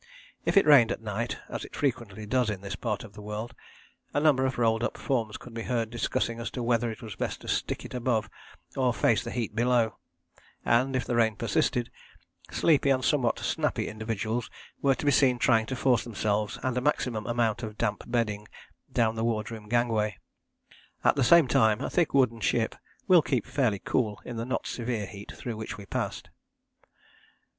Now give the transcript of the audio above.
If it rained at night, as it frequently does in this part of the world, a number of rolled up forms could be heard discussing as to whether it was best to stick it above or face the heat below; and if the rain persisted, sleepy and somewhat snappy individuals were to be seen trying to force themselves and a maximum amount of damp bedding down the wardroom gangway. At the same time a thick wooden ship will keep fairly cool in the not severe heat through which we passed.